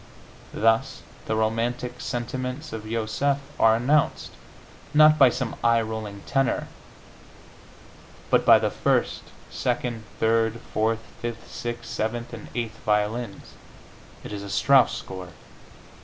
Thus, the romantic sentiments of Joseph are announced, not by some eye rolling tenor, but by the first, second, third, fourth, fifth, sixth, seventh and eighth violins (it is a Strauss score!)